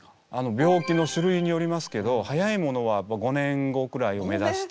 病気の種類によりますけど早いものは５年後くらいを目指して。